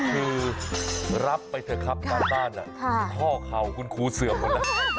คือรับไปเถอะครับการบ้านข้อเข่าคุณครูเสื่อมหมดนะ